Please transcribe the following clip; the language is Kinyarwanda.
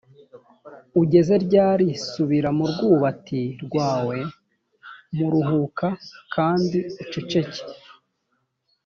ugeze ryari subira mu rwubati rwawe m ruhuka kandi uceceke